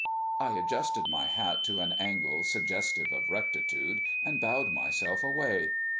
I adjusted my hat to an angle suggestive of rectitude, and bowed myself away.